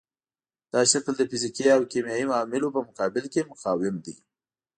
دا شکل د فزیکي او کیمیاوي عواملو په مقابل کې مقاوم دی.